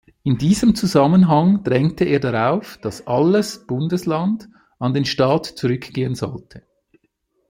In diesem Zusammenhang drängte er darauf, dass alles Bundesland an den Staat zurückgehen sollte.